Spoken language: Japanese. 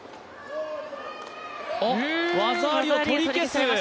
技ありを取り消す！